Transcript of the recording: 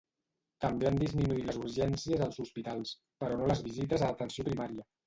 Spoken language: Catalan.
També han disminuït les urgències als hospitals, però no les visites a atenció primària.